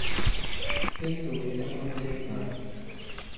কিন্তু এটা কোন ক্লিনিক নয়।